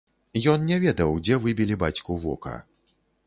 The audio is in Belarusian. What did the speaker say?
Ён не ведаў, дзе выбілі бацьку вока.